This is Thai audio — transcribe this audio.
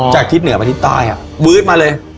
จากทิศเหนือไปทิศตายวิ๊ดมาเลย